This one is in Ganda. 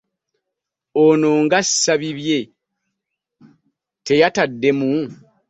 Ono ng’asa bibye, teyaddamu.